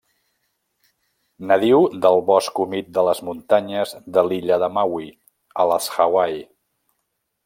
Nadiu del bosc humit de les muntanyes de l'illa de Maui, a les Hawaii.